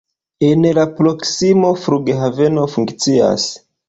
En la proksimo flughaveno funkcias.